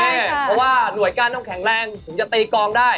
เพราะว่าหน่วยการต้องแข็งแรงถึงจะตีกองได้